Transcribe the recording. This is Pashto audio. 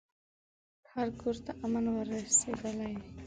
هر کورته امن ور رسېدلی